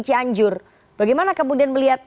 cianjur bagaimana kemudian melihat